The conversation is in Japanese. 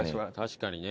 確かにね。